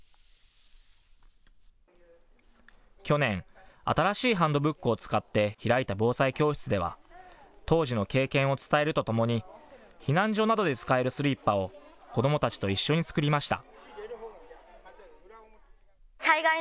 去年、新しいハンドブックを使って開いた防災教室では当時の経験を伝えるとともに避難所などで使えるスリッパを子どもたちと一緒に作りました。